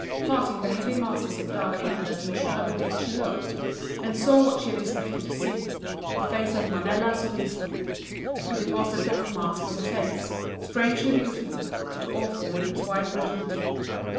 Parting the heavy masses of dark hair that enshrouded it she looked and saw what she had expected to see the face of Manella Soriso. But it was the death mask of a face strangely beautiful but awful in its white rigidity.